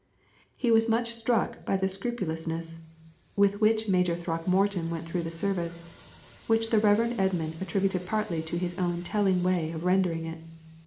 He was much struck by the scrupulousness with which Major Throckmorton went through the service, which the Rev. Edmund attributed partly to his own telling way of rendering it.